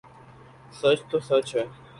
سچ تو سچ ہی